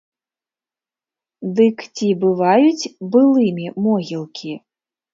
Дык ці бываюць былымі могілкі?